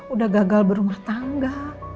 udah gagal berumah tangga